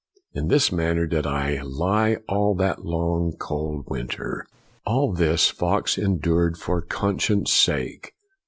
In this manner did I lie all that long, cold winter.'' All this Fox endured for conscience' sake.